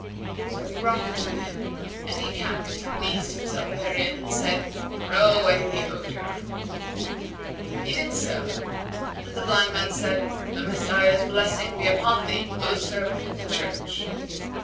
So he brought it him and he cacked and eased himself therein and said, "Throw away the ordure." He did so, and the blind man said, "The Messiah's blessing be upon thee, O servant of the church!"